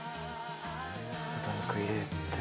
豚肉入れて。